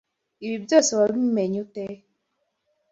Ibi byose wabimenye ute?